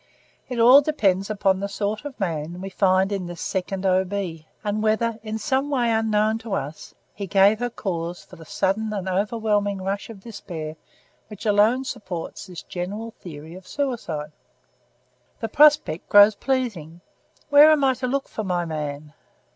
It all depends upon the sort of man we find in this second O. B.; and whether, in some way unknown to us, he gave her cause for the sudden and overwhelming rush of despair which alone supports this general theory of suicide." "The prospect grows pleasing. Where am I to look for my man?"